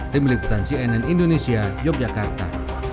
di meliputan cnn indonesia yogyakarta